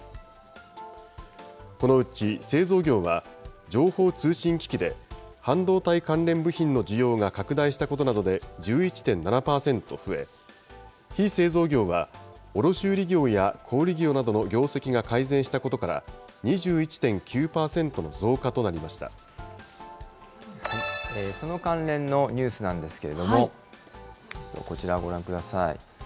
このうち製造業は、情報通信機器で、半導体関連部品の需要が拡大したことなどで１１．７％増え、非製造業は、卸売り業や小売り業などの業績が改善したことから、２１．９％のその関連のニュースなんですけれども、こちらをご覧ください。